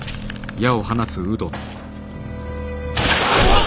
あっ！